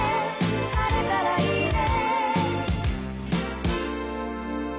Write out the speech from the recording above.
「晴れたらいいね」